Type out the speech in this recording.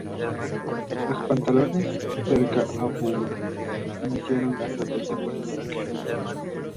Los pantanos cerca a Buga, incidieron en la estrategia para el ataque.